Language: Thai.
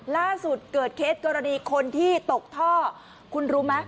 ล่าสุดเกิดเคสกรณีคนที่ตกท่อคุณรู้ไหม